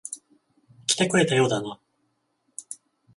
来てくれたようだな。